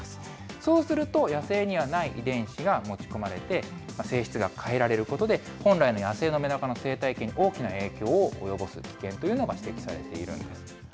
そうすると、野生にはない遺伝子が持ち込まれて、性質が変えられることで、本来の野生のメダカの生態系に大きな影響を及ぼす危険というのが指摘されているんです。